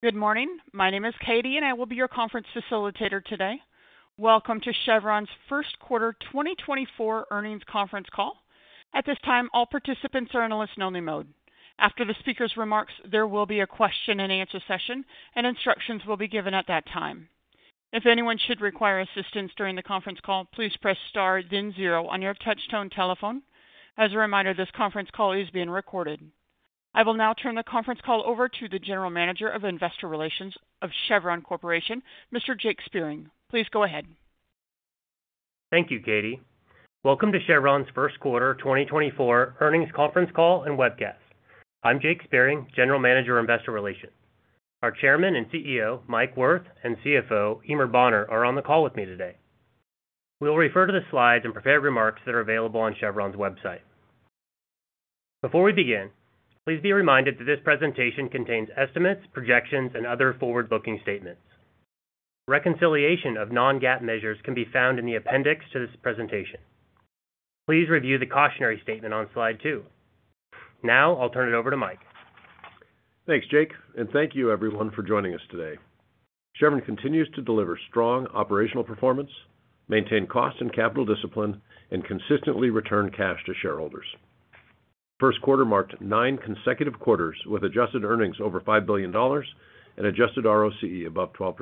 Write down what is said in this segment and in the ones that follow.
Good morning. My name is Katie, and I will be your conference facilitator today. Welcome to Chevron's First Quarter 2024 earnings Conference Call. At this time, all participants are in a listen-only mode. After the speaker's remarks, there will be a question-and-answer session, and instructions will be given at that time. If anyone should require assistance during the conference call, please press Star then zero on your touchtone telephone. As a reminder, this conference call is being recorded. I will now turn the conference call over to the General Manager of Investor Relations of Chevron Corporation, Mr. Jake Spiering. Please go ahead. Thank you, Katie. Welcome to Chevron's first quarter 2024 earnings conference call and webcast. I'm Jake Spiering, General Manager, Investor Relations. Our Chairman and CEO, Mike Wirth, and CFO, Eimear Bonner, are on the call with me today. We'll refer to the slides and prepared remarks that are available on Chevron's website. Before we begin, please be reminded that this presentation contains estimates, projections, and other forward-looking statements. Reconciliation of non-GAAP measures can be found in the appendix to this presentation. Please review the cautionary statement on slide 2. Now I'll turn it over to Mike. Thanks, Jake, and thank you everyone for joining us today. Chevron continues to deliver strong operational performance, maintain cost and capital discipline, and consistently return cash to shareholders. First quarter marked nine consecutive quarters with adjusted earnings over $5 billion and adjusted ROCE above 12%.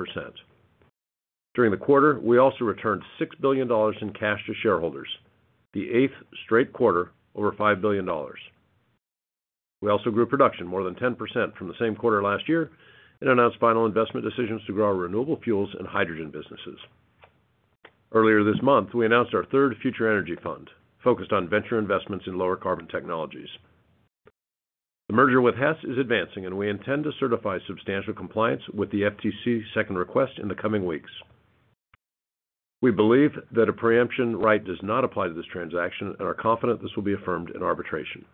During the quarter, we also returned $6 billion in cash to shareholders, the eighth straight quarter over $5 billion. We also grew production more than 10% from the same quarter last year and announced final investment decisions to grow our renewable fuels and hydrogen businesses. Earlier this month, we announced our third Future Energy Fund, focused on venture investments in lower carbon technologies. The merger with Hess is advancing, and we intend to certify substantial compliance with the FTC's second request in the coming weeks. We believe that a preemption right does not apply to this transaction and are confident this will be affirmed in arbitration.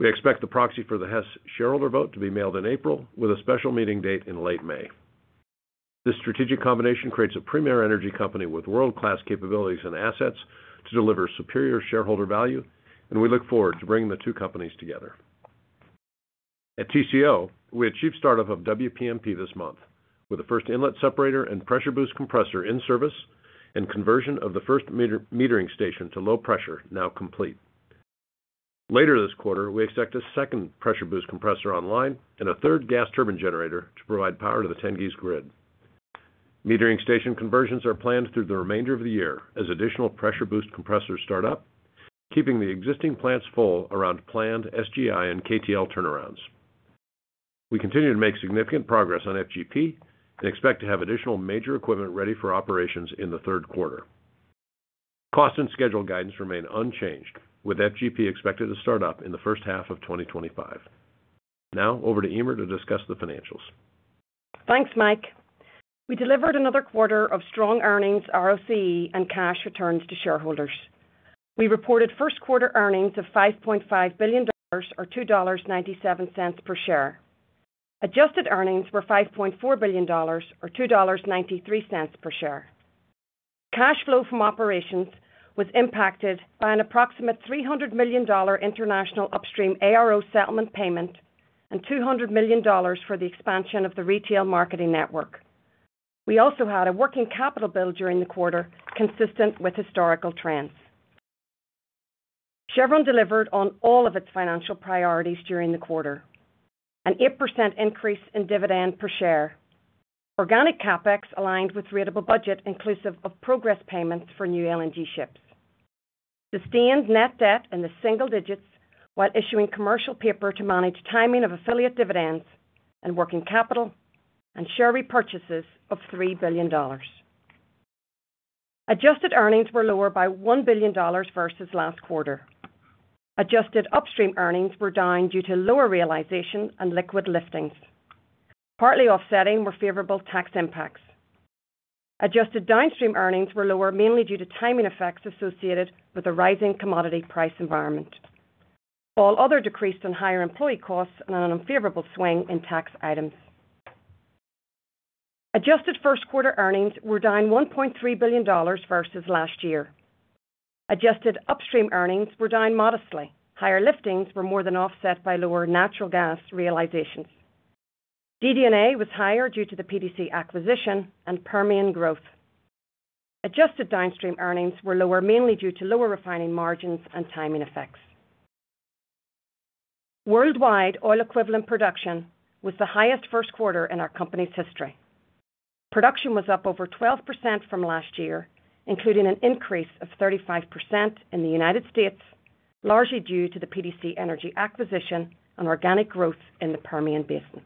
We expect the proxy for the Hess shareholder vote to be mailed in April, with a special meeting date in late May. This strategic combination creates a premier energy company with world-class capabilities and assets to deliver superior shareholder value, and we look forward to bringing the two companies together. At TCO, we achieved start-up of WPMP this month, with the first inlet separator and pressure boost compressor in service and conversion of the first metering station to low pressure now complete. Later this quarter, we expect a second pressure boost compressor online and a third gas turbine generator to provide power to the Tengiz grid. Metering station conversions are planned through the remainder of the year as additional pressure boost compressors start up, keeping the existing plants full around planned SGI and KTL turnarounds. We continue to make significant progress on FGP and expect to have additional major equipment ready for operations in the third quarter. Cost and schedule guidance remain unchanged, with FGP expected to start up in the first half of 2025. Now over to Eimear to discuss the financials. Thanks, Mike. We delivered another quarter of strong earnings, ROCE, and cash returns to shareholders. We reported first quarter earnings of $5.5 billion or $2.97 per share. Adjusted earnings were $5.4 billion or $2.93 per share. Cash flow from operations was impacted by an approximate $300 million international upstream ARO settlement payment and $200 million for the expansion of the retail marketing network. We also had a working capital build during the quarter, consistent with historical trends. Chevron delivered on all of its financial priorities during the quarter: an 8% increase in dividend per share, organic CapEx aligned with ratable budget, inclusive of progress payments for new LNG ships, sustained net debt in the single digits while issuing commercial paper to manage timing of affiliate dividends and working capital, and share repurchases of $3 billion. Adjusted earnings were lower by $1 billion versus last quarter. Adjusted upstream earnings were down due to lower realization and liquid liftings. Partly offsetting were favorable tax impacts. Adjusted downstream earnings were lower, mainly due to timing effects associated with the rising commodity price environment, while other decreased on higher employee costs and an unfavorable swing in tax items. Adjusted first quarter earnings were down $1.3 billion versus last year. Adjusted upstream earnings were down modestly. Higher liftings were more than offset by lower natural gas realizations. DD&A was higher due to the PDC acquisition and Permian growth. Adjusted downstream earnings were lower, mainly due to lower refining margins and timing effects. Worldwide oil equivalent production was the highest first quarter in our company's history. Production was up over 12% from last year, including an increase of 35% in the United States, largely due to the PDC Energy acquisition and organic growth in the Permian Basin.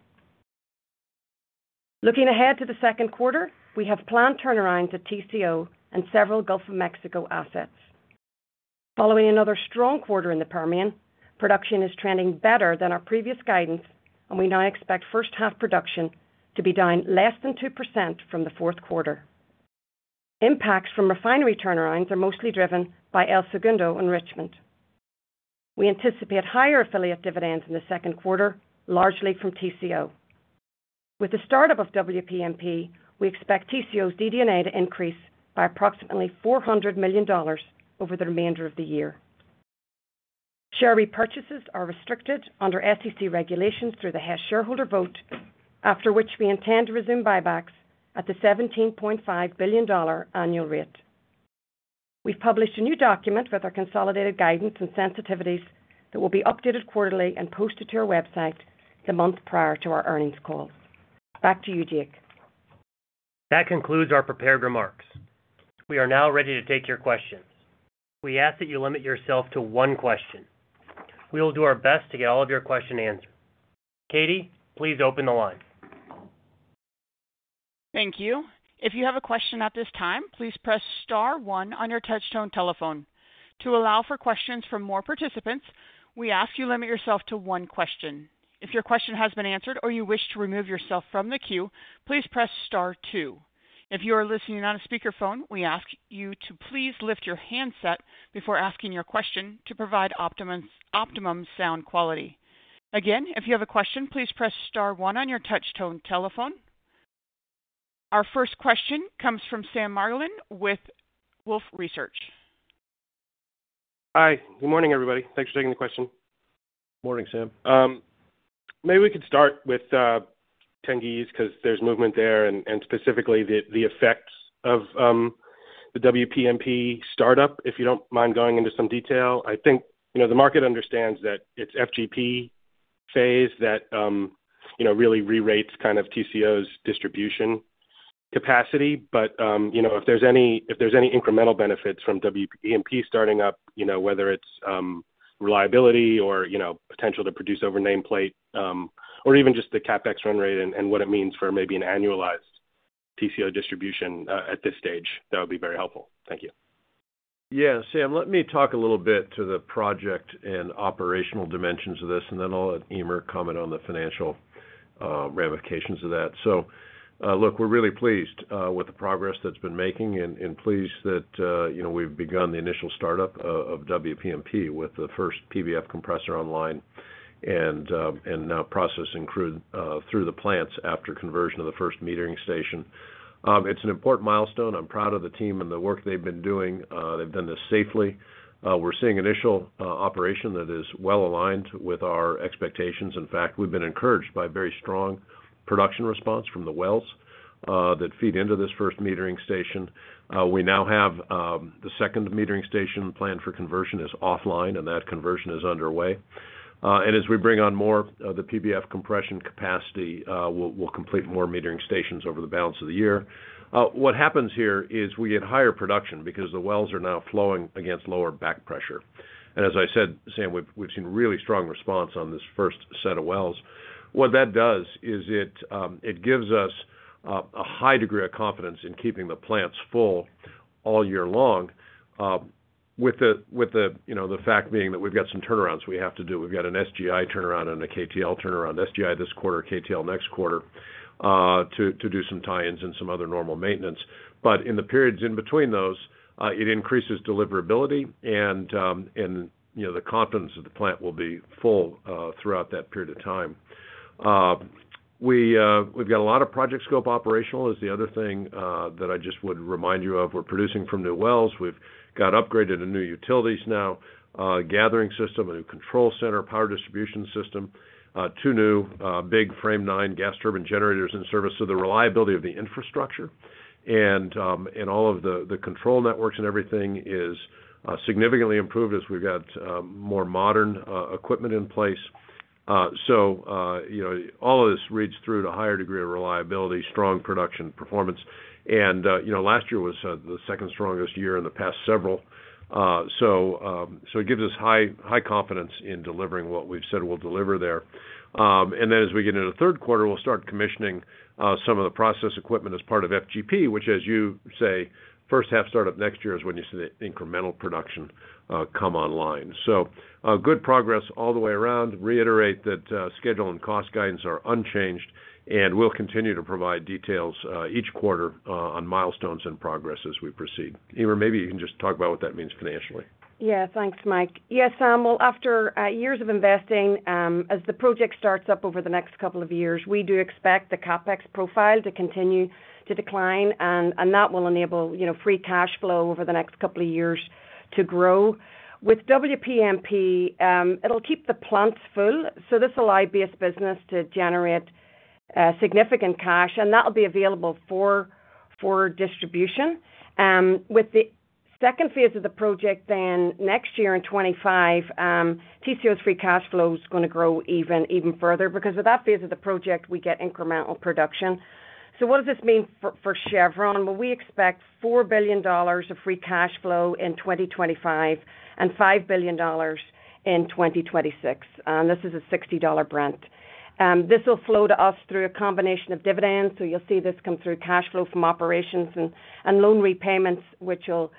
Looking ahead to the second quarter, we have planned turnarounds at TCO and several Gulf of Mexico assets. Following another strong quarter in the Permian, production is trending better than our previous guidance, and we now expect first half production to be down less than 2% from the fourth quarter. Impacts from refinery turnarounds are mostly driven by El Segundo and Richmond. We anticipate higher affiliate dividends in the second quarter, largely from TCO. With the startup of WPMP, we expect TCO's DD&A to increase by approximately $400 million over the remainder of the year. Share repurchases are restricted under SEC regulations through the Hess shareholder vote, after which we intend to resume buybacks at the $17.5 billion annual rate. We've published a new document with our consolidated guidance and sensitivities that will be updated quarterly and posted to our website the month prior to our earnings call. Back to you, Jake. That concludes our prepared remarks. We are now ready to take your questions. We ask that you limit yourself to one question. We will do our best to get all of your questions answered. Katie, please open the line. Thank you. If you have a question at this time, please press star one on your touchtone telephone. To allow for questions from more participants, we ask you limit yourself to one question. If your question has been answered or you wish to remove yourself from the queue, please press star two. If you are listening on a speakerphone, we ask you to please lift your handset before asking your question to provide optimum, optimum sound quality. Again, if you have a question, please press star one on your touchtone telephone. Our first question comes from Sam Margolin with Wolfe Research. Hi, good morning, everybody. Thanks for taking the question. Morning, Sam. Maybe we could start with Tengiz, 'cause there's movement there and specifically the effects of the WPMP startup, if you don't mind going into some detail. I think, you know, the market understands that it's FGP phase that you know, really rerates kind of TCO's distribution capacity. But, you know, if there's any incremental benefits from WPMP starting up, you know, whether it's reliability or, you know, potential to produce over nameplate, or even just the CapEx run rate and what it means for maybe an annualized TCO distribution, at this stage, that would be very helpful. Thank you. Yeah, Sam, let me talk a little bit to the project and operational dimensions of this, and then I'll let Eimear comment on the financial ramifications of that. So, look, we're really pleased with the progress that's been making and pleased that, you know, we've begun the initial startup of WPMP with the first PBF compressor online and now processing crude through the plants after conversion of the first metering station. It's an important milestone. I'm proud of the team and the work they've been doing. They've done this safely. We're seeing initial operation that is well aligned with our expectations. In fact, we've been encouraged by very strong production response from the wells that feed into this first metering station. We now have the second metering station planned for conversion is offline, and that conversion is underway. And as we bring on more of the PBF compression capacity, we'll complete more metering stations over the balance of the year. What happens here is we get higher production because the wells are now flowing against lower back pressure. And as I said, Sam, we've seen really strong response on this first set of wells. What that does is it gives us a high degree of confidence in keeping the plants full all year long, with the you know, the fact being that we've got some turnarounds we have to do. We've got an SGI turnaround and a KTL turnaround, SGI this quarter, KTL next quarter, to do some tie-ins and some other normal maintenance. But in the periods in between those, it increases deliverability and, and you know, the confidence that the plant will be full, throughout that period of time. We, we've got a lot of project scope operational is the other thing, that I just would remind you of. We're producing from new wells. We've got upgraded to new utilities now, gathering system, a new control center, power distribution system, two new, big Frame 9 gas turbine generators in service. So the reliability of the infrastructure and, and all of the, the control networks and everything is, significantly improved as we've got, more modern, equipment in place. So, you know, all of this reads through to a higher degree of reliability, strong production performance. And, you know, last year was the second strongest year in the past several. So, it gives us high, high confidence in delivering what we've said we'll deliver there. And then as we get into the third quarter, we'll start commissioning some of the process equipment as part of FGP, which, as you say, first half startup next year is when you see the incremental production come online. So, good progress all the way around. Reiterate that schedule and cost guidance are unchanged, and we'll continue to provide details each quarter on milestones and progress as we proceed. Eimear, maybe you can just talk about what that means financially. Yeah, thanks, Mike. Yes, Sam, well, after years of investing, as the project starts up over the next couple of years, we do expect the CapEx profile to continue to decline, and that will enable, you know, free cash flow over the next couple of years to grow. With WPMP, it'll keep the plants full, so this will allow base business to generate significant cash, and that'll be available for distribution. With the second phase of the project then, next year in 2025, TCO's free cash flow is gonna grow even further because with that phase of the project, we get incremental production. So what does this mean for Chevron? Well, we expect $4 billion of free cash flow in 2025 and $5 billion in 2026, and this is a $60 Brent. This will flow to us through a combination of dividends, so you'll see this come through cash flow from operations and loan repayments, which will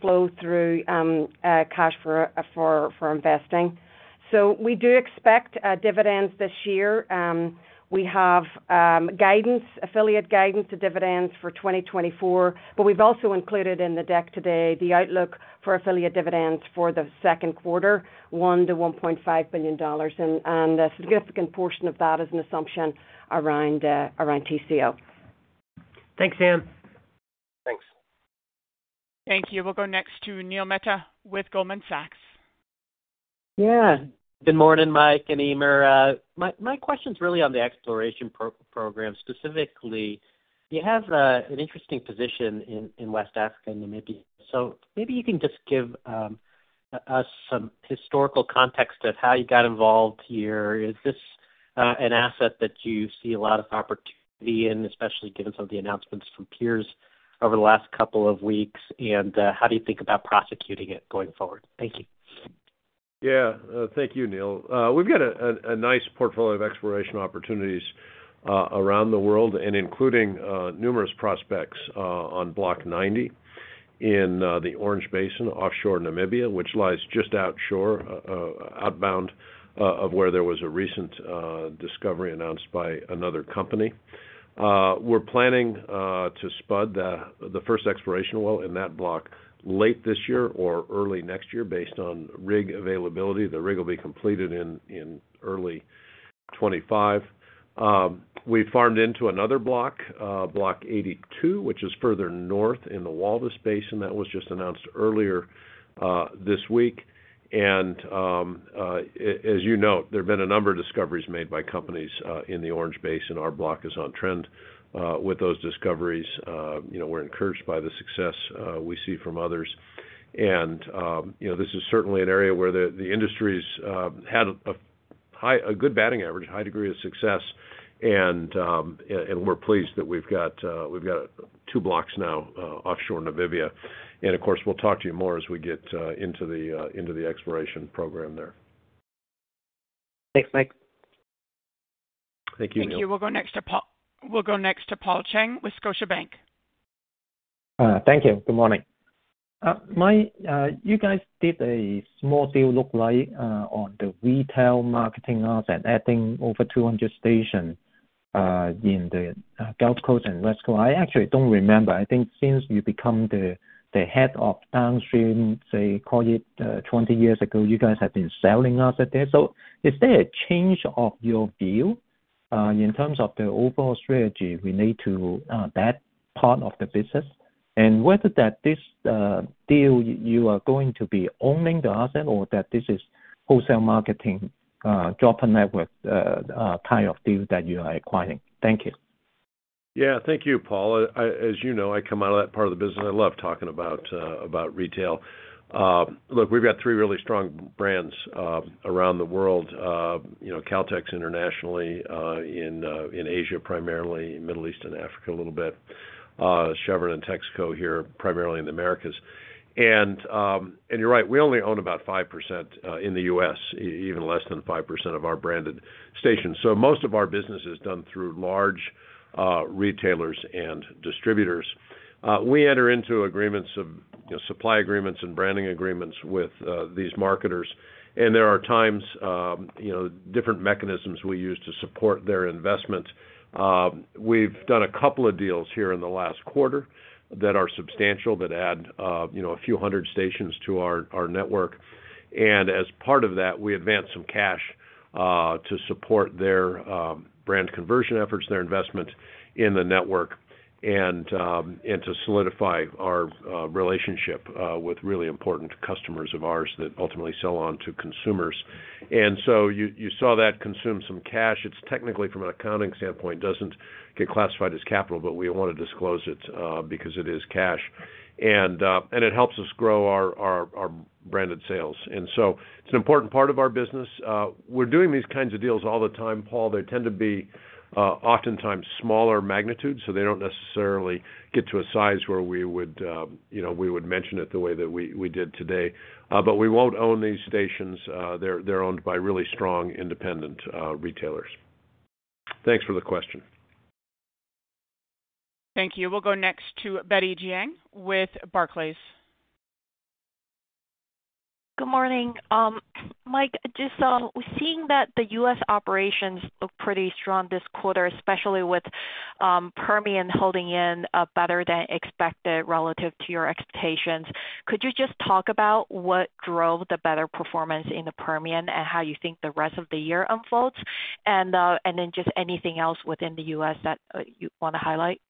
flow through cash for investing. So we do expect dividends this year. We have guidance, affiliate guidance to dividends for 2024, but we've also included in the deck today the outlook for affiliate dividends for the second quarter, $1-$1.5 billion. And a significant portion of that is an assumption around TCO. Thanks, Sam. Thank you. We'll go next to Neil Mehta with Goldman Sachs. Yeah, good morning, Mike and Eimear. My question is really on the exploration program, specifically, you have an interesting position in West Africa, Namibia. So maybe you can just give us some historical context of how you got involved here. Is this an asset that you see a lot of opportunity in, especially given some of the announcements from peers over the last couple of weeks? And how do you think about prosecuting it going forward? Thank you. Yeah. Thank you, Neil. We've got a nice portfolio of exploration opportunities around the world and including numerous prospects on Block 90 in the Orange Basin, offshore Namibia, which lies just offshore, outboard of where there was a recent discovery announced by another company. We're planning to spud the first exploration well in that block late this year or early next year, based on rig availability. The rig will be completed in early 2025. We farmed into another block, Block 82, which is further north in the Walvis Basin. That was just announced earlier this week. And, as you know, there have been a number of discoveries made by companies in the Orange Basin. Our block is on trend with those discoveries. You know, we're encouraged by the success we see from others. And you know, this is certainly an area where the industries had a good batting average, a high degree of success, and we're pleased that we've got two blocks now offshore Namibia. And of course, we'll talk to you more as we get into the exploration program there. Thanks, Mike. Thank you, Neil. Thank you. We'll go next to Paul Cheng with Scotiabank. Thank you. Good morning. Mike, you guys did a small deal, looks like, on the retail marketing arm and adding over 200 stations in the Gulf Coast and West Coast. I actually don't remember. I think since you become the head of downstream, say, call it 20 years ago, you guys have been selling assets there. So is there a change of your view in terms of the overall strategy related to that part of the business? And whether in this deal you are going to be owning the asset or whether this is wholesale marketing, jobber network kind of deals that you are acquiring? Thank you. Yeah. Thank you, Paul. As you know, I come out of that part of the business. I love talking about retail. Look, we've got three really strong brands around the world. You know, Caltex internationally, in Asia, primarily in Middle East and Africa, a little bit. Chevron and Texaco here, primarily in the Americas. And you're right, we only own about 5%, in the U.S., even less than 5% of our branded stations. So most of our business is done through large retailers and distributors. We enter into agreements of, you know, supply agreements and branding agreements with these marketers, and there are times, you know, different mechanisms we use to support their investment. We've done a couple of deals here in the last quarter that are substantial, that add, you know, a few hundred stations to our, our network. And as part of that, we advanced some cash to support their brand conversion efforts and their investment in the network, and to solidify our relationship with really important customers of ours that ultimately sell on to consumers. And so you, you saw that consume some cash. It's technically, from an accounting standpoint, doesn't get classified as capital, but we wanna disclose it because it is cash, and it helps us grow our, our, our branded sales. And so it's an important part of our business. We're doing these kinds of deals all the time, Paul. They tend to be, oftentimes smaller magnitudes, so they don't necessarily get to a size where we would, you know, we would mention it the way that we, we did today. But we won't own these stations. They're owned by really strong independent retailers. Thanks for the question. Thank you. We'll go next to Betty Jiang with Barclays. Good morning. Mike, just seeing that the U.S. operations look pretty strong this quarter, especially with Permian holding in better than expected relative to your expectations, could you just talk about what drove the better performance in the Permian, and how you think the rest of the year unfolds? And then just anything else within the U.S. that you wanna highlight?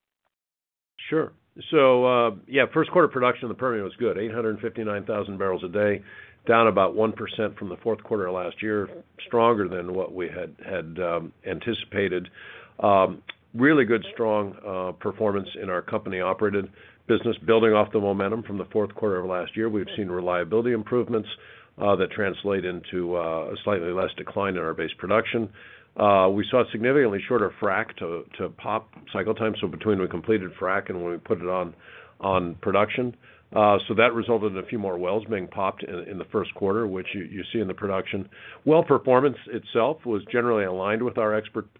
Sure. So, yeah, first quarter production in the Permian was good, 859,000 barrels a day, down about 1% from the fourth quarter of last year. Stronger than what we had anticipated. Really good, strong performance in our company-operated business, building off the momentum from the fourth quarter of last year. We've seen reliability improvements that translate into a slightly less decline in our base production. We saw a significantly shorter frac to POP cycle time, so between the completed frac and when we put it on production. So that resulted in a few more wells being popped in the first quarter, which you see in the production. Well, performance itself was generally aligned with our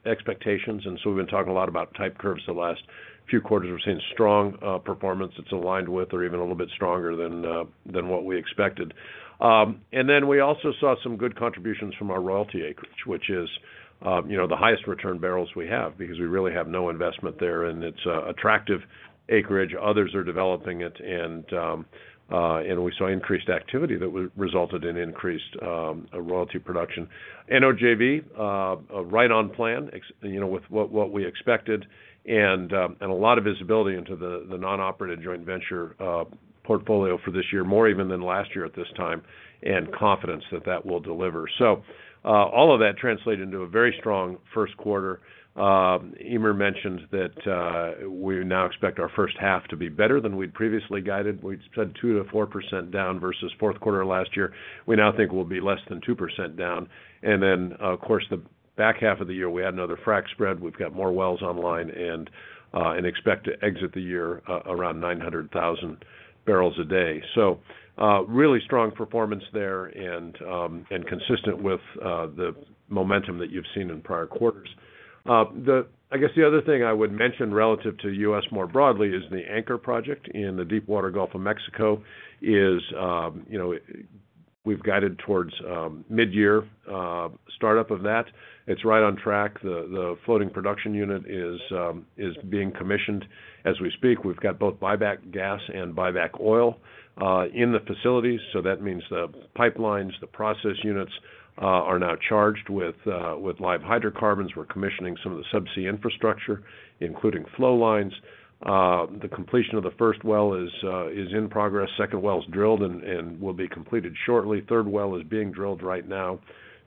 expectations, and so we've been talking a lot about type curves. The last few quarters, we've seen strong performance that's aligned with or even a little bit stronger than what we expected. And then we also saw some good contributions from our royalty acreage, which is, you know, the highest return barrels we have, because we really have no investment there, and it's attractive acreage. Others are developing it, and we saw increased activity that resulted in increased royalty production. NOJV right on plan, you know, with what we expected, and a lot of visibility into the non-operated joint venture portfolio for this year, more even than last year at this time, and confidence that that will deliver. So, all of that translated into a very strong first quarter. Eimear mentioned that we now expect our first half to be better than we'd previously guided. We'd said 2%-4% down versus fourth quarter last year. We now think we'll be less than 2% down, and then, of course, the back half of the year, we had another frac spread. We've got more wells online and expect to exit the year around 900,000 barrels a day. So, really strong performance there and consistent with the momentum that you've seen in prior quarters. I guess the other thing I would mention relative to U.S. more broadly is the Anchor project in the deepwater Gulf of Mexico. You know, we've guided towards mid-year startup of that. It's right on track. The floating production unit is being commissioned as we speak. We've got both buyback gas and buyback oil in the facilities, so that means the pipelines, the process units are now charged with live hydrocarbons. We're commissioning some of the subsea infrastructure, including flow lines. The completion of the first well is in progress. Second well is drilled and will be completed shortly. Third well is being drilled right now.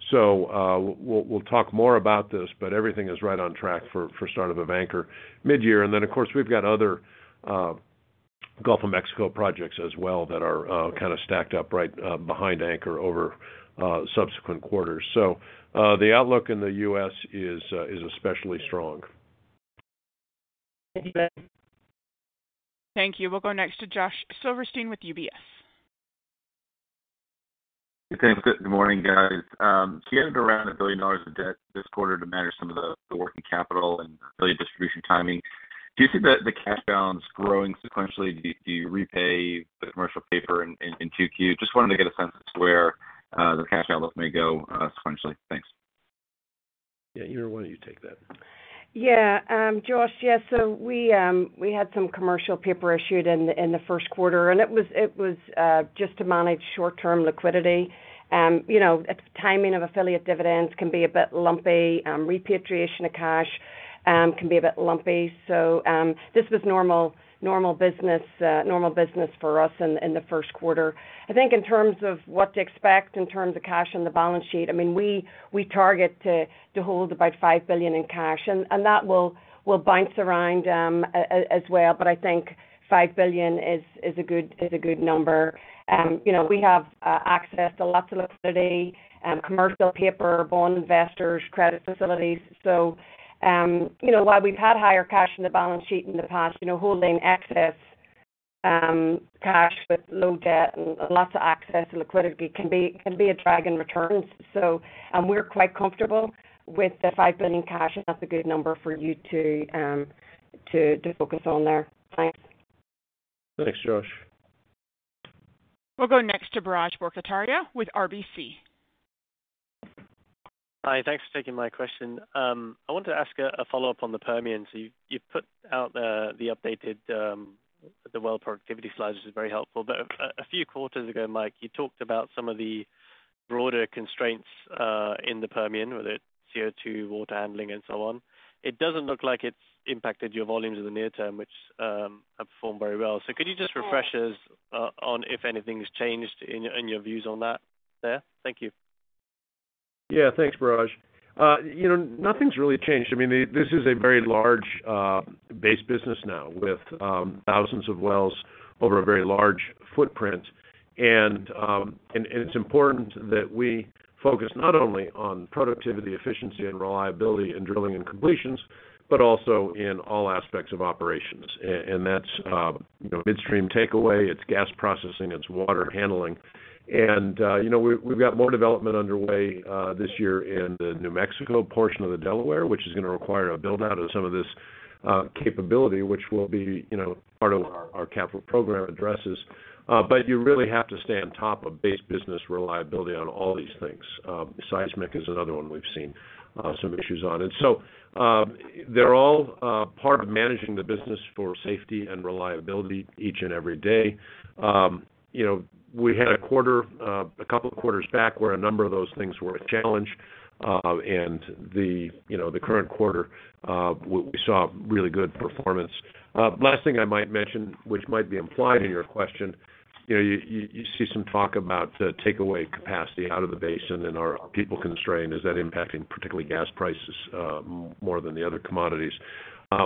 So, we'll talk more about this, but everything is right on track for start of Anchor midyear. And then, of course, we've got other Gulf of Mexico projects as well that are kind of stacked up right behind Anchor over subsequent quarters. So, the outlook in the U.S. is especially strong. Thank you. We'll go next to Josh Silverstein with UBS. Thanks. Good morning, guys. So you had around $1 billion of debt this quarter to manage some of the working capital and affiliate distribution timing. Do you think that the cash balance growing sequentially, do you repay the commercial paper in 2Q? Just wanted to get a sense of where the cash outlook may go, sequentially. Thanks. Yeah, Eimear, why don't you take that? Yeah. Josh, yes, so we had some commercial paper issued in the first quarter, and it was just to manage short-term liquidity. You know, timing of affiliate dividends can be a bit lumpy. Repatriation of cash can be a bit lumpy. So, this was normal business for us in the first quarter. I think in terms of what to expect in terms of cash on the balance sheet, I mean, we target to hold about $5 billion in cash, and that will bounce around as well, but I think $5 billion is a good number. You know, we have access to lots of liquidity, commercial paper, bond investors, credit facilities. So, you know, while we've had higher cash in the balance sheet in the past, you know, holding excess cash with low debt and lots of access to liquidity can be a drag in returns. So, and we're quite comfortable with the $5 billion cash, and that's a good number for you to focus on there. Thanks. Thanks, Josh. We'll go next to Biraj Borkhataria with RBC. Hi, thanks for taking my question. I want to ask a follow-up on the Permian. So you, you've put out the updated well productivity slides, which is very helpful. But a few quarters ago, Mike, you talked about some of the broader constraints in the Permian, whether it's CO2, water handling, and so on. It doesn't look like it's impacted your volumes in the near term, which have performed very well. So could you just refresh us on if anything's changed in your, in your views on that there? Thank you. Yeah, thanks, Biraj. You know, nothing's really changed. I mean, this is a very large base business now, with thousands of wells over a very large footprint. And it's important that we focus not only on productivity, efficiency, and reliability in drilling and completions, but also in all aspects of operations. And that's, you know, midstream takeaway, it's gas processing, it's water handling. And you know, we, we've got more development underway this year in the New Mexico portion of the Delaware, which is gonna require a build-out of some of this capability, which will be, you know, part of our capital program addresses. But you really have to stay on top of base business reliability on all these things. Seismic is another one we've seen some issues on. And so, they're all part of managing the business for safety and reliability each and every day. You know, we had a quarter a couple of quarters back where a number of those things were a challenge, and the, you know, the current quarter, we saw really good performance. Last thing I might mention, which might be implied in your question, you know, you see some talk about the takeaway capacity out of the basin and are people constrained? Is that impacting particularly gas prices more than the other commodities?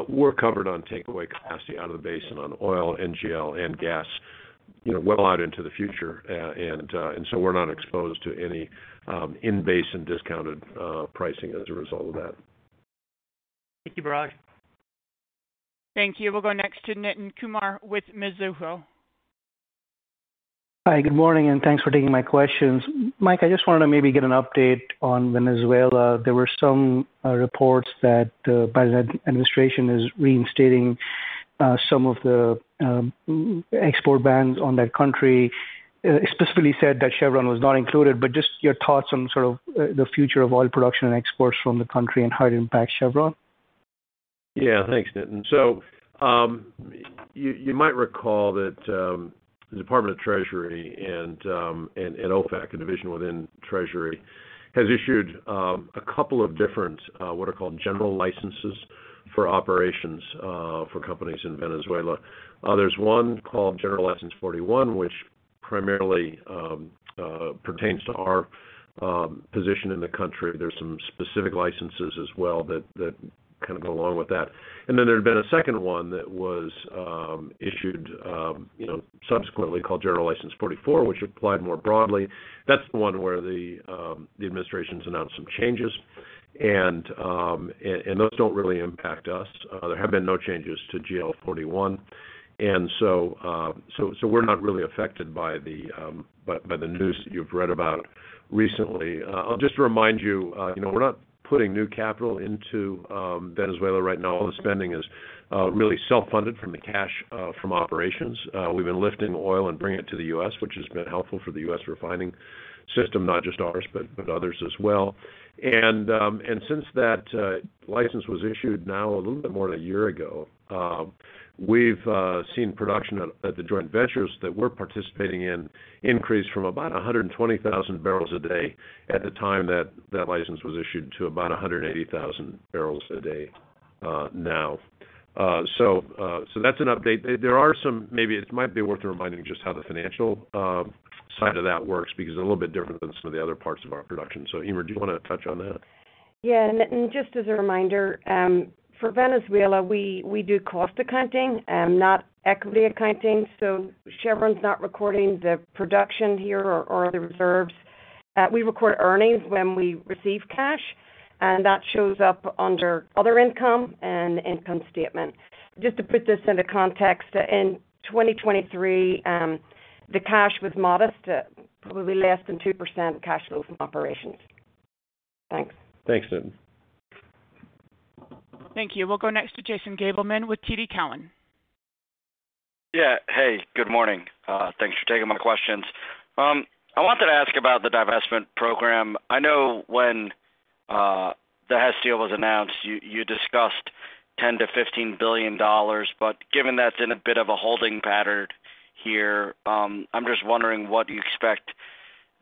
We're covered on takeaway capacity out of the basin on oil, NGL, and gas, you know, well out into the future. And so we're not exposed to any in-basin discounted pricing as a result of that. Thank you, Biraj. Thank you. We'll go next to Nitin Kumar with Mizuho. Hi, good morning, and thanks for taking my questions. Mike, I just wanted to maybe get an update on Venezuela. There were some reports that the Biden administration is reinstating some of the export bans on that country. It specifically said that Chevron was not included, but just your thoughts on sort of the future of oil production and exports from the country and how it impacts Chevron? Yeah, thanks, Nitin. So, you might recall that the Department of the Treasury and OFAC, a division within Treasury, has issued a couple of different what are called general licenses for operations for companies in Venezuela. There's one called General License 41, which primarily pertains to our position in the country. There's some specific licenses as well that kind of go along with that. And then there had been a second one that was issued, you know, subsequently called General License 44, which applied more broadly. That's the one where the administration's announced some changes, and those don't really impact us. There have been no changes to GL 41, and so we're not really affected by the news that you've read about recently. I'll just remind you, you know, we're not putting new capital into Venezuela right now. All the spending is really self-funded from the cash from operations. We've been lifting oil and bringing it to the U.S., which has been helpful for the U.S. refining system, not just ours, but others as well. Since that license was issued now a little bit more than a year ago, we've seen production at the joint ventures that we're participating in increase from about 120,000 barrels a day at the time that that license was issued to about 180,000 barrels a day now. So that's an update. There are some – maybe it might be worth reminding just how the financial side of that works, because they're a little bit different than some of the other parts of our production. So, Eimear, do you wanna touch on that? Yeah, Nitin, just as a reminder, for Venezuela, we do cost accounting and not equity accounting, so Chevron's not recording the production here or the reserves. We record earnings when we receive cash, and that shows up under other income and income statement. Just to put this into context, in 2023, the cash was modest, probably less than 2% cash flow from operations. Thanks. Thanks, Nitin. Thank you. We'll go next to Jason Gabelman with TD Cowen. Yeah. Hey, good morning. Thanks for taking my questions. I wanted to ask about the divestment program. I know when the Hess deal was announced, you, you discussed $10 billion-$15 billion, but given that's in a bit of a holding pattern here, I'm just wondering what you expect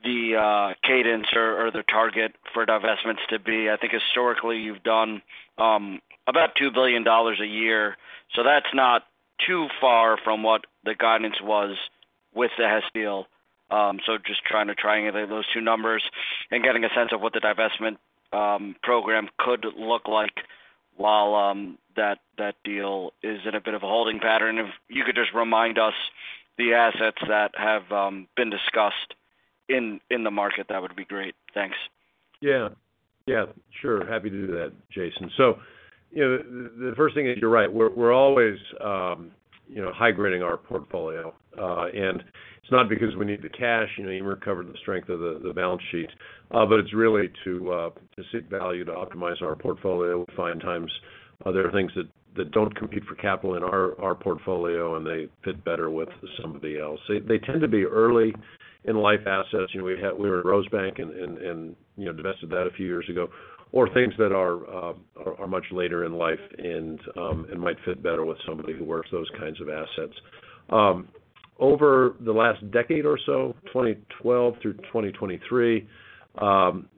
the cadence or the target for divestments to be. I think historically you've done about $2 billion a year, so that's not too far from what the guidance was with the Hess deal. So just trying to triangulate those two numbers and getting a sense of what the divestment program could look like while that deal is in a bit of a holding pattern. If you could just remind us the assets that have been discussed in the market, that would be great. Thanks. Yeah. Yeah, sure. Happy to do that, Jason. So, you know, the first thing is, you're right. We're always, you know, high-grading our portfolio, and it's not because we need the cash, you know, Eimear covered the strength of the balance sheet. But it's really to seek value, to optimize our portfolio. We find times there are things that don't compete for capital in our portfolio, and they fit better with somebody else. They tend to be early in life assets. You know, we were at Rosebank and, you know, divested that a few years ago, or things that are much later in life and might fit better with somebody who works those kinds of assets. Over the last decade or so, 2012 through 2023,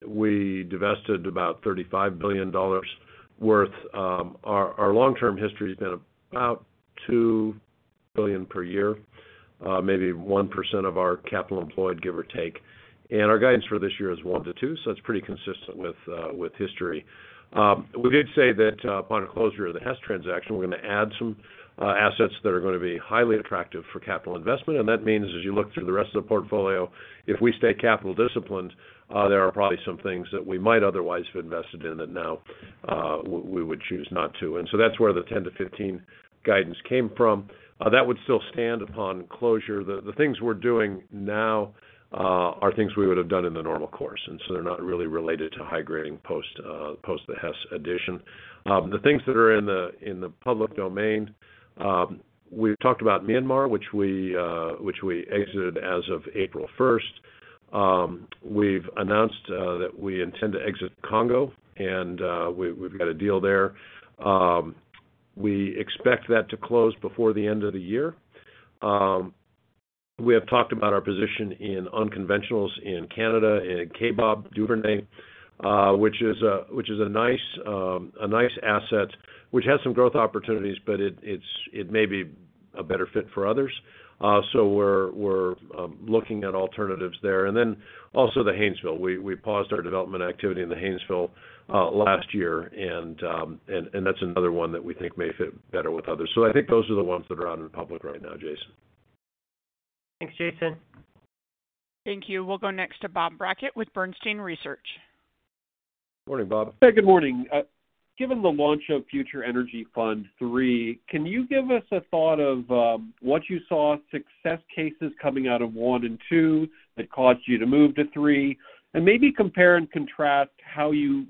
we divested about $35 billion worth. Our long-term history's been about $2 billion per year, maybe 1% of our capital employed, give or take, and our guidance for this year is $1 billion-$2 billion, so it's pretty consistent with history. We did say that, upon closure of the Hess transaction, we're gonna add some assets that are gonna be highly attractive for capital investment, and that means, as you look through the rest of the portfolio, if we stay capital disciplined, there are probably some things that we might otherwise have invested in that now, we would choose not to. And so that's where the $10 billion-$15 billion guidance came from. That would still stand upon closure. The things we're doing now are things we would have done in the normal course, and so they're not really related to high grading post the Hess addition. The things that are in the public domain, we've talked about Myanmar, which we exited as of April first. We've announced that we intend to exit Congo, and we've got a deal there. We expect that to close before the end of the year. We have talked about our position in unconventionals in Canada, in Kaybob Duvernay, which is a nice asset, which has some growth opportunities, but it may be a better fit for others. So we're looking at alternatives there. And then also the Haynesville. We paused our development activity in the Haynesville last year, and that's another one that we think may fit better with others. So I think those are the ones that are out in the public right now, Jason. Thanks, Jason. Thank you. We'll go next to Bob Brackett with Bernstein Research. Morning, Bob. Hey, good morning. Given the launch of Future Energy Fund 3, can you give us a thought of what you saw success cases coming out of 1 and 2 that caused you to move to 3? And maybe compare and contrast how you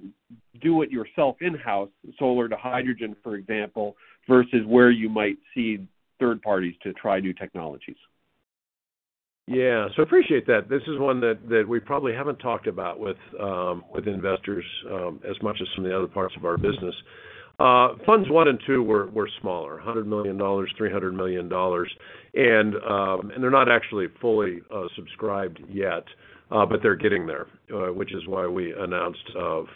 do it yourself in-house, solar to hydrogen, for example, versus where you might see third parties to try new technologies. ... Yeah, so appreciate that. This is one that we probably haven't talked about with investors as much as some of the other parts of our business. Funds one and two were smaller, $100 million, $300 million. And they're not actually fully subscribed yet, but they're getting there, which is why we announced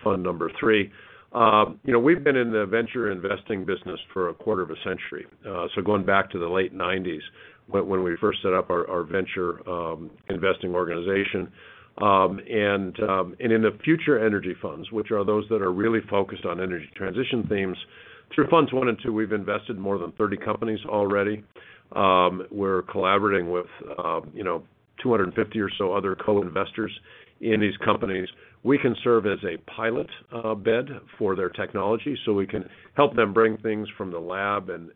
fund number three. You know, we've been in the venture investing business for a quarter of a century. So going back to the late 1990s, when we first set up our venture investing organization. And in the future energy funds, which are those that are really focused on energy transition themes, through funds one and two, we've invested in more than 30 companies already. We're collaborating with, you know, 250 or so other co-investors in these companies. We can serve as a pilot bed for their technology, so we can help them bring things from the lab and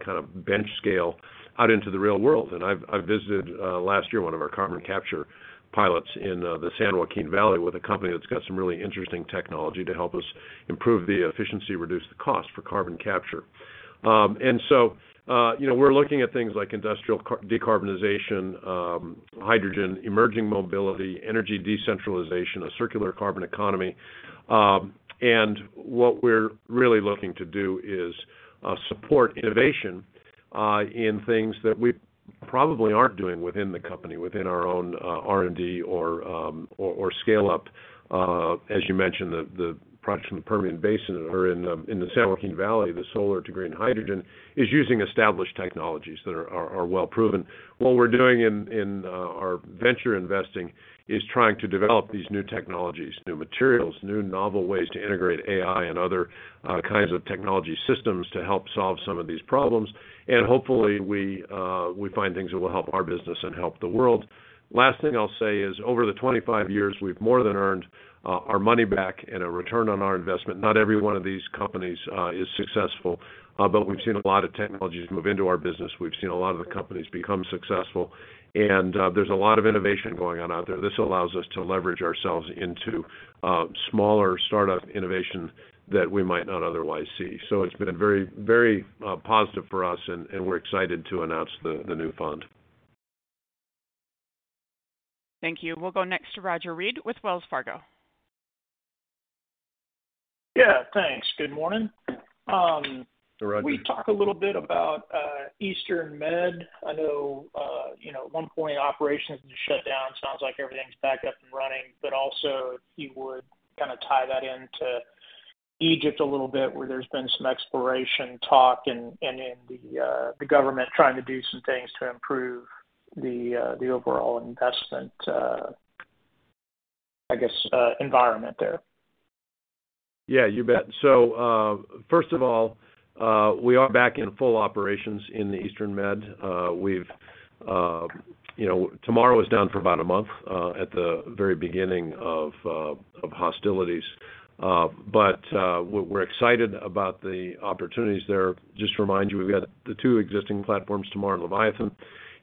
kind of bench scale out into the real world. I've visited last year one of our carbon capture pilots in the San Joaquin Valley with a company that's got some really interesting technology to help us improve the efficiency, reduce the cost for carbon capture. And so, you know, we're looking at things like industrial carbon decarbonization, hydrogen, emerging mobility, energy decentralization, a circular carbon economy. And what we're really looking to do is support innovation in things that we probably aren't doing within the company, within our own R&D or scale-up. As you mentioned, the production in the Permian Basin or in the San Joaquin Valley, the solar to green hydrogen, is using established technologies that are well proven. What we're doing in our venture investing is trying to develop these new technologies, new materials, new novel ways to integrate AI and other kinds of technology systems to help solve some of these problems. And hopefully we find things that will help our business and help the world. Last thing I'll say is, over the 25 years, we've more than earned our money back and a return on our investment. Not every one of these companies is successful, but we've seen a lot of technologies move into our business. We've seen a lot of the companies become successful, and there's a lot of innovation going on out there. This allows us to leverage ourselves into smaller start-up innovation that we might not otherwise see. So it's been very, very positive for us, and we're excited to announce the new fund. Thank you. We'll go next to Roger Read with Wells Fargo. Yeah, thanks. Good morning. Hi, Roger. Will you talk a little bit about Eastern Med? I know you know, at one point, operations were shut down. Sounds like everything's back up and running, but also if you would kind of tie that into Egypt a little bit, where there's been some exploration talk and in the government trying to do some things to improve the overall investment, I guess, environment there. Yeah, you bet. So, first of all, we are back in full operations in the Eastern Med. We've, you know, Tamar was down for about a month at the very beginning of hostilities. But we're excited about the opportunities there. Just to remind you, we've got the two existing platforms, Tamar and Leviathan,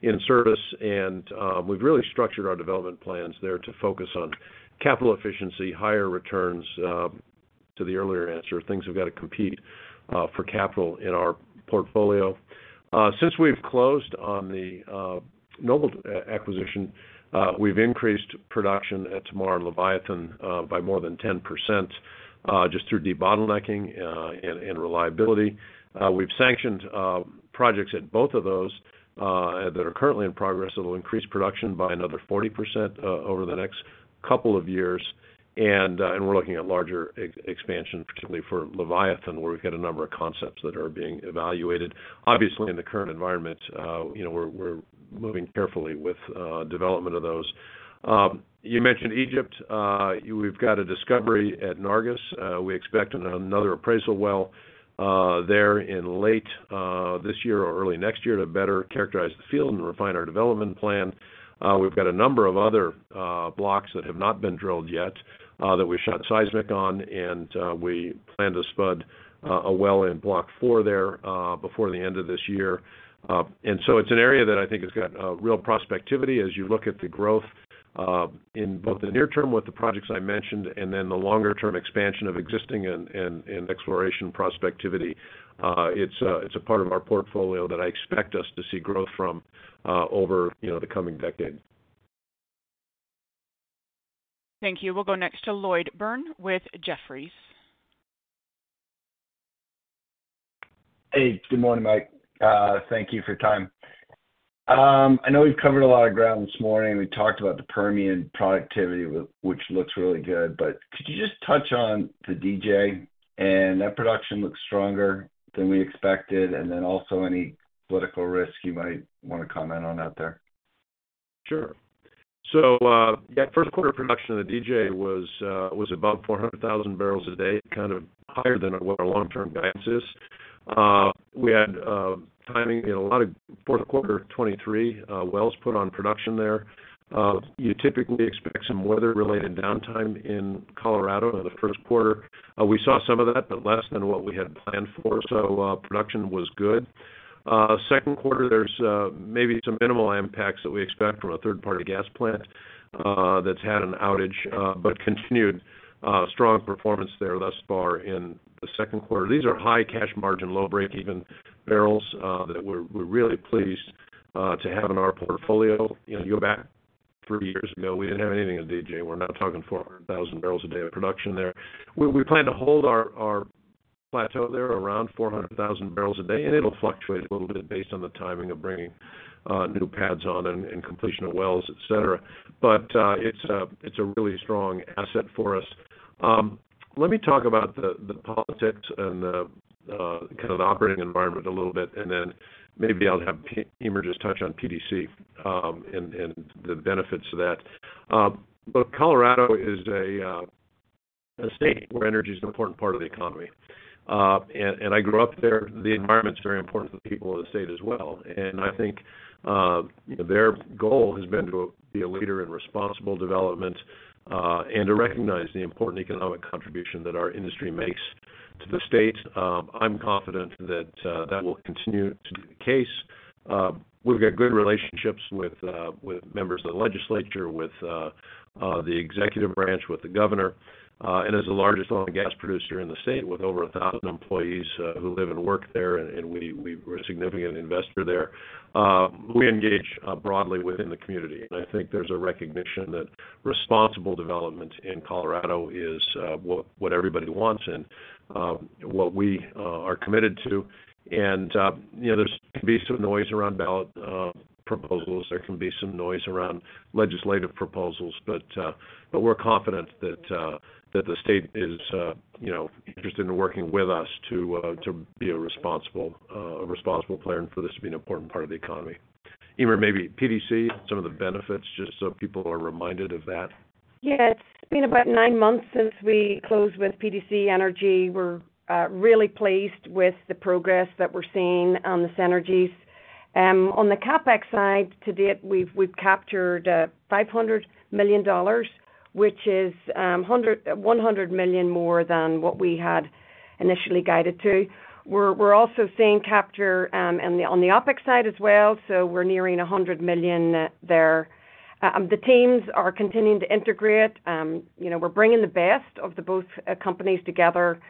in service, and, we've really structured our development plans there to focus on capital efficiency, higher returns, to the earlier answer, things have got to compete for capital in our portfolio. Since we've closed on the Noble acquisition, we've increased production at Tamar and Leviathan by more than 10% just through debottlenecking and reliability. We've sanctioned projects at both of those that are currently in progress, that will increase production by another 40% over the next couple of years. And we're looking at larger expansion, particularly for Leviathan, where we've got a number of concepts that are being evaluated. Obviously, in the current environment, you know, we're moving carefully with development of those. You mentioned Egypt. We've got a discovery at Nargis. We expect another appraisal well there in late this year or early next year to better characterize the field and refine our development plan. We've got a number of other blocks that have not been drilled yet that we shot seismic on, and we plan to spud a well in Block IV there before the end of this year. And so it's an area that I think has got real prospectivity as you look at the growth in both the near term with the projects I mentioned, and then the longer-term expansion of existing and exploration prospectivity. It's a part of our portfolio that I expect us to see growth from over, you know, the coming decade. Thank you. We'll go next to Lloyd Byrne with Jefferies. Hey, good morning, Mike. Thank you for your time. I know we've covered a lot of ground this morning. We talked about the Permian productivity, which looks really good, but could you just touch on the DJ? And that production looks stronger than we expected, and then also any political risk you might want to comment on out there. Sure. So, yeah, first quarter production of the DJ was above 400,000 barrels a day, kind of higher than what our long-term guidance is. We had timing in a lot of fourth quarter 2023 wells put on production there. You typically expect some weather-related downtime in Colorado in the first quarter. We saw some of that, but less than what we had planned for, so production was good. Second quarter, there's maybe some minimal impacts that we expect from a third-party gas plant that's had an outage, but continued strong performance there thus far in the second quarter. These are high cash margin, low break-even barrels that we're really pleased to have in our portfolio. You know, you go back 30 years ago, we didn't have anything in DJ. We're now talking 400,000 barrels a day of production there. We plan to hold our plateau there around 400,000 barrels a day, and it'll fluctuate a little bit based on the timing of bringing new pads on and completion of wells, et cetera. But it's a really strong asset for us. Let me talk about the politics and the kind of the operating environment a little bit, and then maybe I'll have Eimear just touch on PDC and the benefits of that. But Colorado is a state where energy is an important part of the economy. And I grew up there. The environment's very important to the people of the state as well. I think, you know, their goal has been to be a leader in responsible development, and to recognize the important economic contribution that our industry makes to the state. I'm confident that that will continue to be the case. We've got good relationships with, with members of the legislature, with, the executive branch, with the governor, and as the largest oil and gas producer in the state, with over 1,000 employees, who live and work there, and, and we, we're a significant investor there. We engage, broadly within the community, and I think there's a recognition that responsible development in Colorado is, what, what everybody wants and, what we, are committed to. And, you know, there's be some noise around ballot, proposals. There can be some noise around legislative proposals, but, but we're confident that, that the state is, you know, interested in working with us to, to be a responsible, a responsible player, and for this to be an important part of the economy. Eimear, maybe PDC, some of the benefits, just so people are reminded of that. Yes, it's been about nine months since we closed with PDC Energy. We're really pleased with the progress that we're seeing on the synergies. On the CapEx side, to date, we've captured $500 million, which is $100 million more than what we had initially guided to. We're also seeing capture on the OpEx side as well, so we're nearing $100 million there. The teams are continuing to integrate. You know, we're bringing the best of the both companies together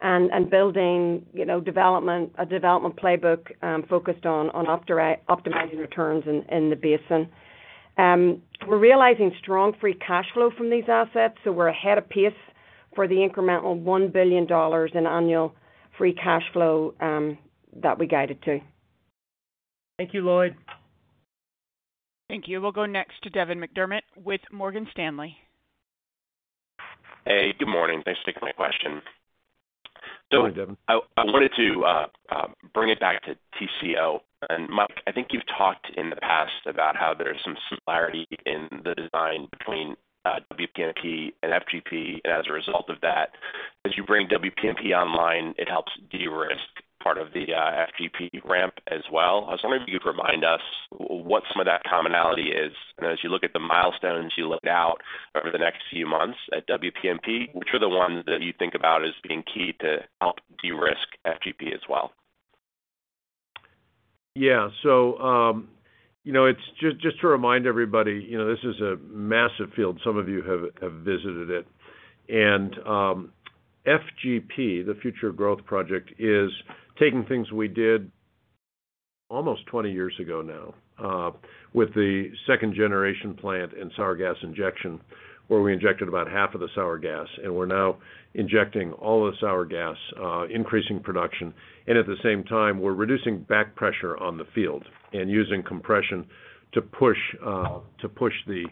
and building a development playbook focused on optimizing returns in the basin. We're realizing strong free cash flow from these assets, so we're ahead of pace for the incremental $1 billion in annual free cash flow that we guided to. Thank you, Lloyd. Thank you. We'll go next to Devin McDermott with Morgan Stanley. Hey, good morning. Thanks for taking my question. Good morning, Devin. So I wanted to bring it back to TCO. And Mike, I think you've talked in the past about how there's some similarity in the design between WPMP and FGP, and as a result of that, as you bring WPMP online, it helps de-risk part of the FGP ramp as well. I was wondering if you could remind us what some of that commonality is? And as you look at the milestones you laid out over the next few months at WPMP, which are the ones that you think about as being key to help de-risk FGP as well? Yeah. So, you know, it's just, just to remind everybody, you know, this is a massive field. Some of you have, have visited it. And, FGP, the Future of Growth Project, is taking things we did almost 20 years ago now, with the second generation plant and sour gas injection, where we injected about half of the sour gas, and we're now injecting all the sour gas, increasing production. And at the same time, we're reducing back pressure on the field and using compression to push, to push the,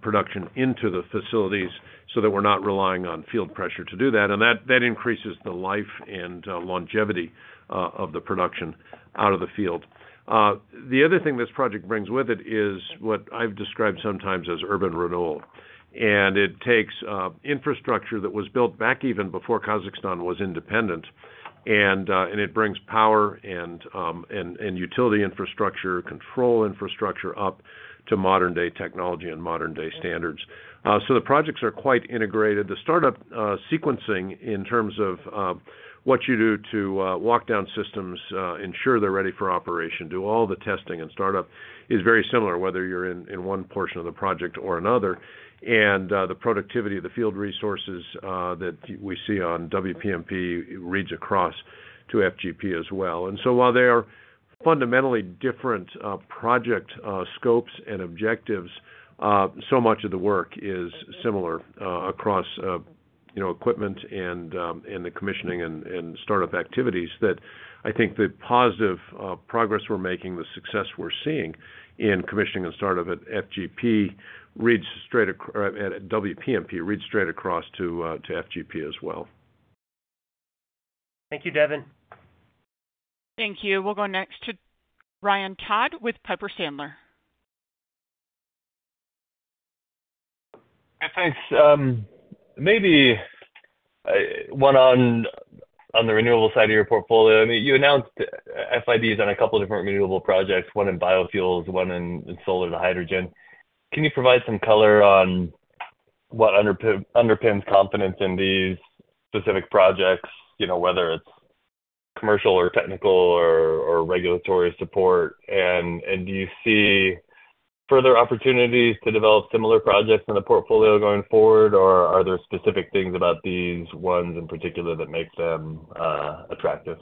production into the facilities so that we're not relying on field pressure to do that. And that, that increases the life and, longevity, of the production out of the field. The other thing this project brings with it is what I've described sometimes as urban renewal. And it takes infrastructure that was built back even before Kazakhstan was independent, and it brings power and utility infrastructure, control infrastructure up to modern day technology and modern day standards. So the projects are quite integrated. The startup sequencing in terms of what you do to walk down systems, ensure they're ready for operation, do all the testing and startup, is very similar, whether you're in one portion of the project or another. And the productivity of the field resources that we see on WPMP reads across to FGP as well. And so while they are fundamentally different project scopes and objectives, so much of the work is similar across, you know, equipment and the commissioning and startup activities that I think the positive progress we're making, the success we're seeing in commissioning and startup at WPMP reads straight across to FGP as well. Thank you, Devin. Thank you. We'll go next to Ryan Todd with Piper Sandler. Thanks. Maybe one on the renewable side of your portfolio. I mean, you announced FIDs on a couple different renewable projects, one in biofuels, one in solar to hydrogen. Can you provide some color on what underpins confidence in these specific projects? You know, whether it's commercial or technical or regulatory support. And do you see further opportunities to develop similar projects in the portfolio going forward, or are there specific things about these ones in particular that make them attractive?...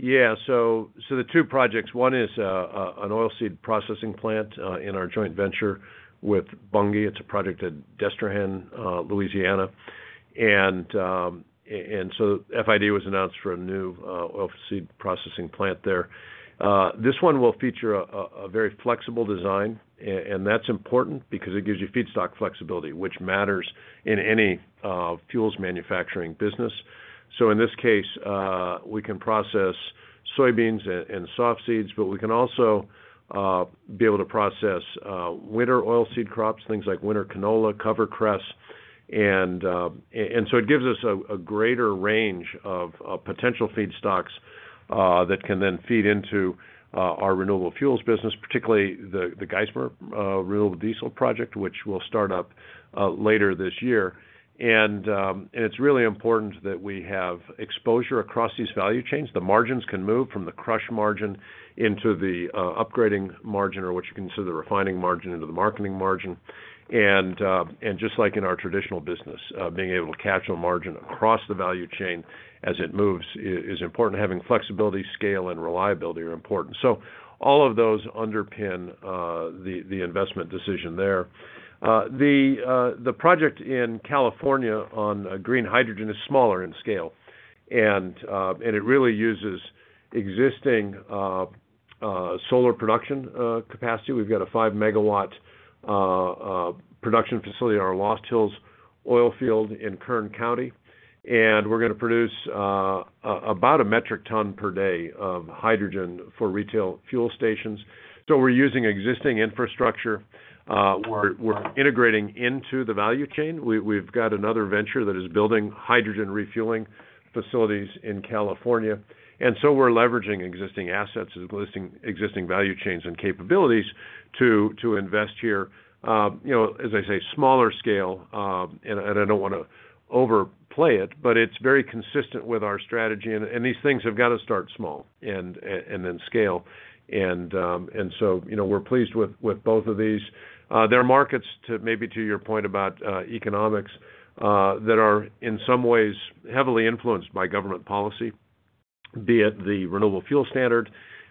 Yeah, so the two projects, one is an oilseed processing plant in our joint venture with Bunge. It's a project at Destrehan, Louisiana. And so FID was announced for a new oilseed processing plant there. This one will feature a very flexible design, and that's important because it gives you feedstock flexibility, which matters in any fuels manufacturing business. So in this case, we can process soybeans and soft seeds, but we can also be able to process winter oilseed crops, things like Winter Canola, CoverCress, and so it gives us a greater range of potential feedstocks that can then feed into our renewable fuels business, particularly the Geismar renewable diesel project, which will start up later this year. And it's really important that we have exposure across these value chains. The margins can move from the crush margin into the upgrading margin, or what you consider the refining margin into the marketing margin. And just like in our traditional business, being able to capture a margin across the value chain as it moves is important. Having flexibility, scale, and reliability are important. So all of those underpin the investment decision there. The project in California on green hydrogen is smaller in scale, and it really uses existing solar production capacity. We've got a 5-megawatt production facility in our Lost Hills oil field in Kern County, and we're gonna produce about a metric ton per day of hydrogen for retail fuel stations. So we're using existing infrastructure. We're integrating into the value chain. We've got another venture that is building hydrogen refueling facilities in California, and so we're leveraging existing assets and existing value chains and capabilities to invest here. You know, as I say, smaller scale, and I don't wanna overplay it, but it's very consistent with our strategy, and these things have got to start small and then scale. And so, you know, we're pleased with both of these. There are markets to, maybe to your point about economics, that are in some ways heavily influenced by government policy, be it the Renewable Fuel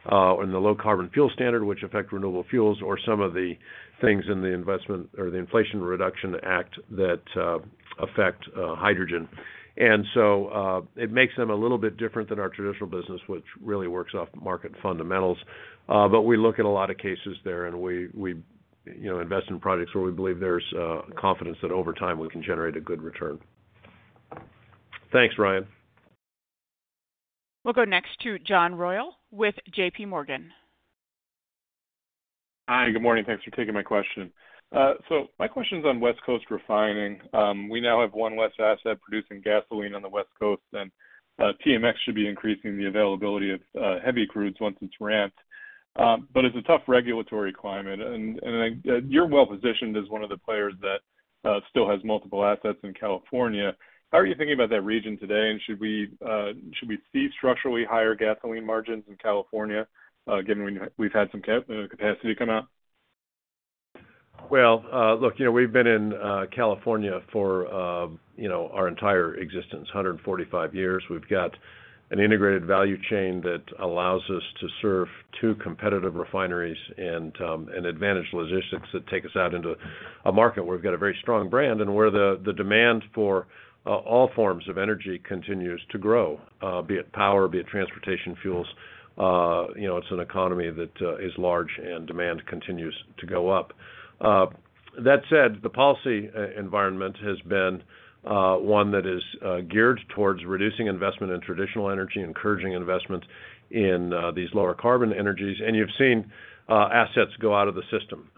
Standard and the Low Carbon Fuel Standard, which affect renewable fuels, or some of the things in the investment or the Inflation Reduction Act that affect hydrogen. And so, it makes them a little bit different than our traditional business, which really works off market fundamentals. But we look at a lot of cases there, and we, you know, invest in projects where we believe there's confidence that over time, we can generate a good return. Thanks, Ryan. We'll go next to John Royall with JPMorgan. Hi, good morning. Thanks for taking my question. So my question's on West Coast refining. We now have one West asset producing gasoline on the West Coast, and TMX should be increasing the availability of heavy crudes once it's ramped. But it's a tough regulatory climate, and you're well positioned as one of the players that still has multiple assets in California. How are you thinking about that region today, and should we see structurally higher gasoline margins in California, given we've had some capacity come out? Well, look, you know, we've been in California for, you know, our entire existence, 145 years. We've got an integrated value chain that allows us to serve two competitive refineries and advantage logistics that take us out into a market where we've got a very strong brand and where the demand for all forms of energy continues to grow, be it power, be it transportation fuels. You know, it's an economy that is large and demand continues to go up. That said, the policy environment has been one that is geared towards reducing investment in traditional energy, encouraging investment in these lower carbon energies. You've seen assets go out of the system,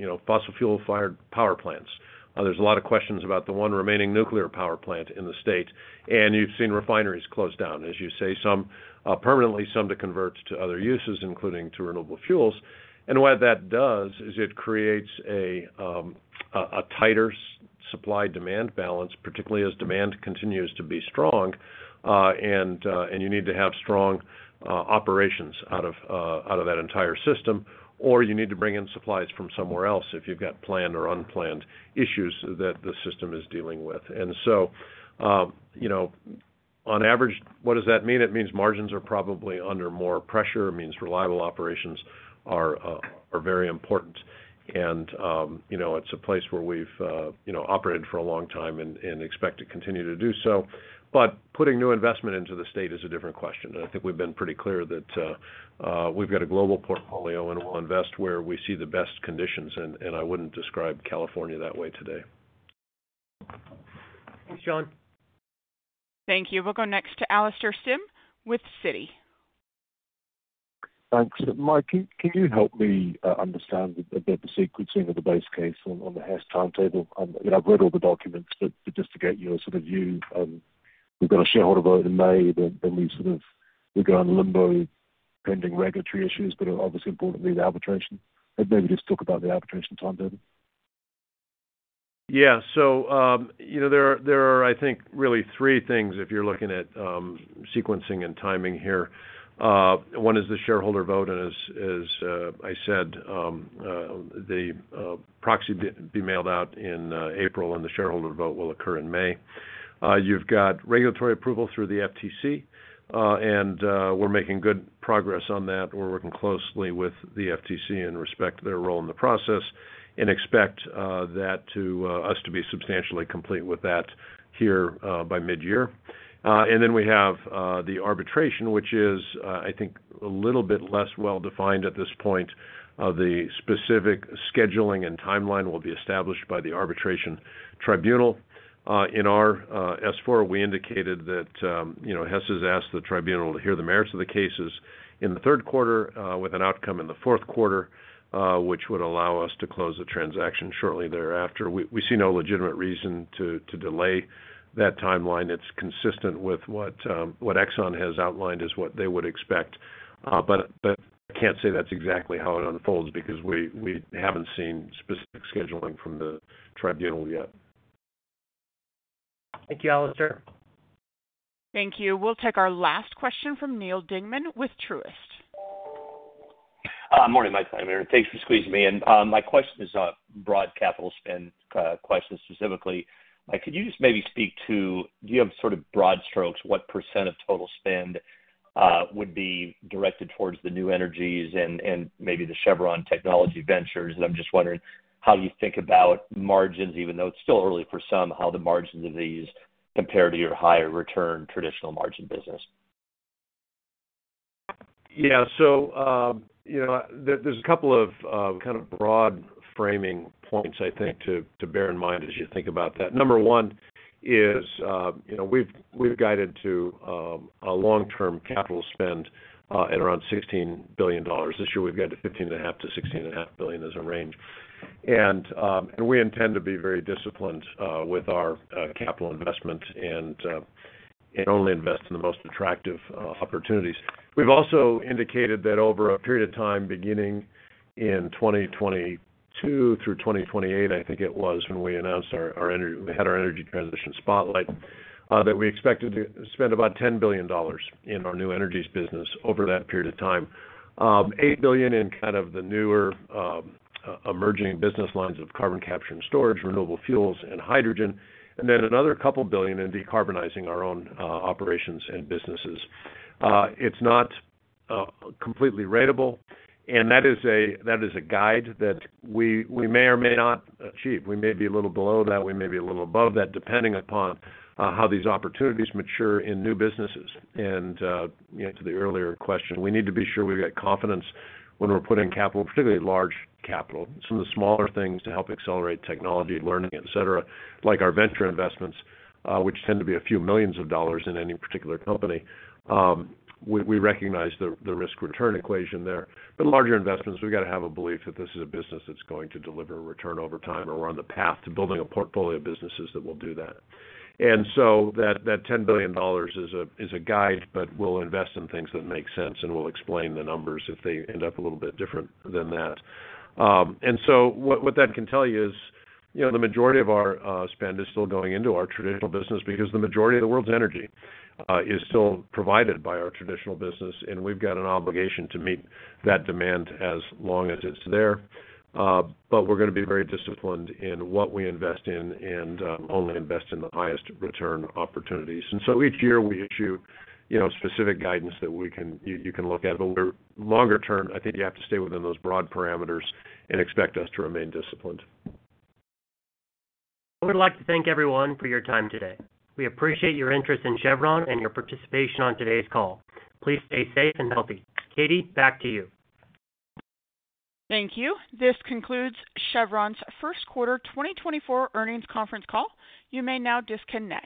you know, fossil fuel-fired power plants. There's a lot of questions about the one remaining nuclear power plant in the state, and you've seen refineries close down, as you say, some permanently, some to convert to other uses, including to renewable fuels. And what that does is it creates a tighter supply-demand balance, particularly as demand continues to be strong, and you need to have strong operations out of that entire system, or you need to bring in supplies from somewhere else if you've got planned or unplanned issues that the system is dealing with. And so, you know, on average, what does that mean? It means margins are probably under more pressure, it means reliable operations are very important. You know, it's a place where we've, you know, operated for a long time and expect to continue to do so. But putting new investment into the state is a different question, and I think we've been pretty clear that we've got a global portfolio, and we'll invest where we see the best conditions, and I wouldn't describe California that way today. Thanks, John. Thank you. We'll go next to Alastair Syme with Citi. Thanks. Mike, can you help me understand about the sequencing of the base case on the Hess timetable? You know, I've read all the documents, but just to get your sort of view, we've got a shareholder vote in May, then we sort of go on limbo pending regulatory issues, but obviously, importantly, the arbitration. And maybe just talk about the arbitration timetable. Yeah. So, you know, there are, there are, I think, really three things if you're looking at sequencing and timing here. One is the shareholder vote, and as, as, I said, the proxy be mailed out in April, and the shareholder vote will occur in May. You've got regulatory approval through the FTC, and we're making good progress on that. We're working closely with the FTC in respect to their role in the process, and expect that to us to be substantially complete with that here by midyear. And then we have the arbitration, which is, I think, a little bit less well-defined at this point of the specific scheduling and timeline will be established by the arbitration tribunal. In our S4, we indicated that, you know, Hess has asked the tribunal to hear the merits of the cases in the third quarter, with an outcome in the fourth quarter, which would allow us to close the transaction shortly thereafter. We, we see no legitimate reason to, to delay that timeline. It's consistent with what Exxon has outlined as what they would expect, but, but can't say that's exactly how it unfolds because we, we haven't seen specific scheduling from the tribunal yet. Thank you, Alastair. Thank you. We'll take our last question from Neal Dingmann with Truist. Morning, Mike Wirth. Thanks for squeezing me in. My question is a broad capital spend question. Specifically, like, could you just maybe speak to, do you have sort of broad strokes, what % of total spend would be directed towards the new energies and, and maybe the Chevron Technology Ventures? And I'm just wondering how you think about margins, even though it's still early for some, how the margins of these compare to your higher return traditional margin business. Yeah. So, you know, there, there's a couple of, of kind of broad framing points, I think, to, to bear in mind as you think about that. Number one is, you know, we've, we've guided to, a long-term capital spend, at around $16 billion. This year, we've guided $15.5 -$16.5 billion as a range. And, and we intend to be very disciplined, with our, capital investment and, and only invest in the most attractive, opportunities. We've also indicated that over a period of time, beginning in 2022 through 2028, I think it was, when we announced our, our Energy— We had our Energy Transition Spotlight, that we expected to spend about $10 billion in our new energies business over that period of time. $8 billion in kind of the newer emerging business lines of carbon capture and storage, renewable fuels, and hydrogen, and then another $2 billion in decarbonizing our own operations and businesses. It's not completely ratable, and that is a guide that we may or may not achieve. We may be a little below that, we may be a little above that, depending upon how these opportunities mature in new businesses. And you know, to the earlier question, we need to be sure we've got confidence when we're putting capital, particularly large capital. Some of the smaller things to help accelerate technology, learning, et cetera, like our venture investments, which tend to be a few million dollars in any particular company, we recognize the risk-return equation there. But larger investments, we've got to have a belief that this is a business that's going to deliver a return over time, or we're on the path to building a portfolio of businesses that will do that. And so that $10 billion is a guide, but we'll invest in things that make sense, and we'll explain the numbers if they end up a little bit different than that. And so what that can tell you is, you know, the majority of our spend is still going into our traditional business because the majority of the world's energy is still provided by our traditional business, and we've got an obligation to meet that demand as long as it's there. But we're gonna be very disciplined in what we invest in and only invest in the highest return opportunities. And so each year, we issue, you know, specific guidance that we can... you can look at. But we're longer term, I think you have to stay within those broad parameters and expect us to remain disciplined. I would like to thank everyone for your time today. We appreciate your interest in Chevron and your participation on today's call. Please stay safe and healthy. Katie, back to you. Thank you. This concludes Chevron's first quarter 2024 earnings conference call. You may now disconnect.